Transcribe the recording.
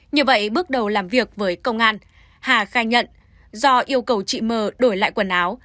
như vậy bước đầu làm việc với công an hà khai nhận do yêu cầu chị m đổi lại quần áo